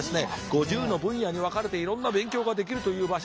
５０の分野に分かれていろんな勉強ができるという場所です。